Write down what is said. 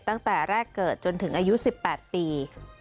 ตั้งแต่แรกเกิดจนถึงอายุ๑๘ปี